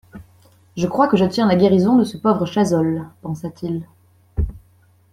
Je crois que je tiens la guérison de ce pauvre Chazolles, pensa-t-il.